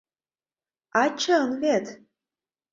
А чын вет...